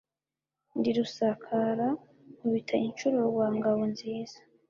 ndi rusakara nkubita inshuro rwa ngabo nziza,